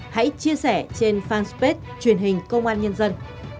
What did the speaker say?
hãy chia sẻ trên fanpage truyền hình công an nhân dân